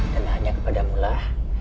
dan hanya kepadamulah